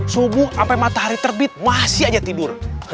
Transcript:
subuh sampai matahari terbit masih aja tidur